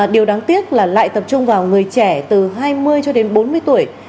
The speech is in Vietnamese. điều đáng tiếc là lại tập trung vào người trẻ từ hai mươi cho đến bốn mươi tuổi